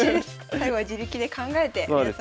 最後は自力で考えて皆さん。